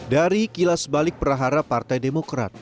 dari kilas balik perahara partai demokrat